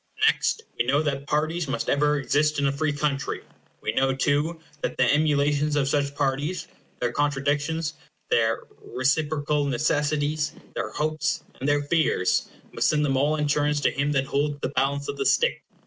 Next, we know that parties must ever exist in a free country. We know, too, that the emulations of such parties—their contradictions, their reciprocal necessities, their hopes, and their fears—must send them all in their turns to him that holds the balance of the State.